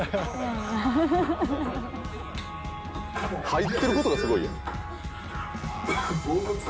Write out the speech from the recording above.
入ってることがすごいやん。